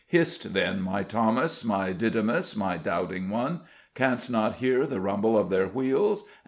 Hist, then, my Thomas, my Didymus, my doubting one! Canst not hear the rumble of their wheels?